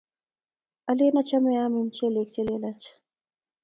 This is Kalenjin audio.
alen achame aame mchelek chelelach